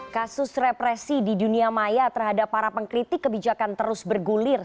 kasus represi di dunia maya terhadap para pengkritik kebijakan terus bergulir